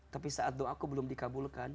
tapi saat doaku belum dikabulkan